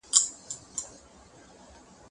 زه کولای سم زده کړه وکړم؟